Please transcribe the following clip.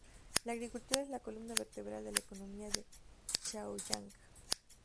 La agricultura es la columna vertebral de la economía de Chaoyang.